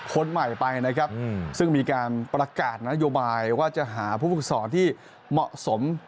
คนใหม่ไปนะครับซึ่งมีการประกาศนโยบายว่าจะหาผู้ฝึกสอนที่เหมาะสม